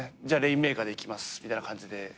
じゃあレインメーカーでいきますみたいな感じで。